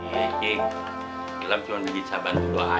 iya cik alam cuma bisa bantu aja